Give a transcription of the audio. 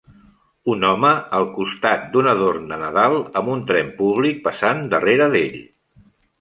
Un home al costat d"un adorn de Nadal amb un tren públic passant darrera d"ell.